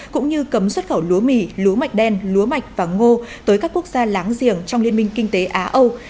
cũng như cấm xuất khẩu lúa mì lúa mạch đen lúa mạch và ngô tới các quốc gia láng giềng trong liên minh kinh tế á âu